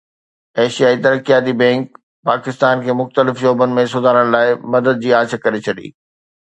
ايشيائي ترقياتي بئنڪ پاڪستان کي مختلف شعبن ۾ سڌارن لاءِ مدد جي آڇ ڪري ڇڏي